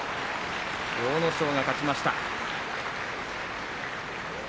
阿武咲が勝ちました。